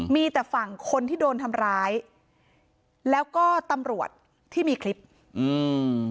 มีแต่ฝั่งคนที่โดนทำร้ายแล้วก็ตำรวจที่มีคลิปอืม